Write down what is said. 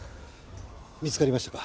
見つかりましたか？